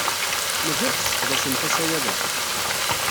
Mazal tesseqdacemt asawal-a?